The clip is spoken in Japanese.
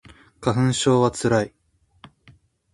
花粉症はつらい